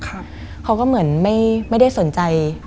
มันกลายเป็นรูปของคนที่กำลังขโมยคิ้วแล้วก็ร้องไห้อยู่